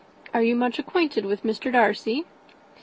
Are you much acquainted with Mr. Darcy?"